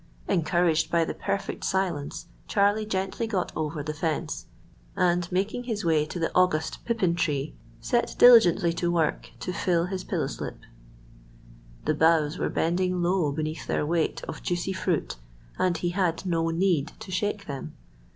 Encouraged by the perfect silence, Charlie gently got over the fence, and making his way to the August pippin tree, set diligently to work to fill his pillow slip. The boughs were bending low beneath their weight of juicy fruit, and he had no need to shake them.